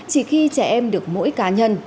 chỉ khi trẻ em được mỗi cá nhân